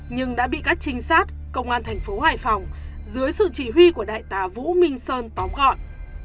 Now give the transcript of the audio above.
nhưng đã bị các trinh sát công an thành phố hải phòng dưới sự chỉ huy của đại tá vũ minh sơn tóm gọn